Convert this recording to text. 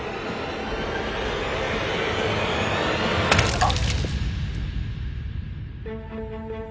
あっ。